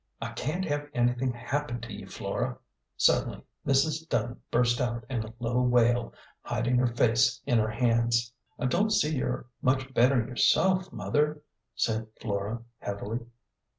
I can't have anything happen to you, Flora." Suddenly Mrs. Dunn burst out in a low wail, hiding her face in her hands. " I don't see as you're much better yourself, mother," said Flora, heavily.